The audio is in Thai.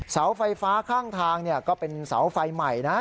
เสาไฟฟ้าข้างทางก็เป็นเสาไฟใหม่นะ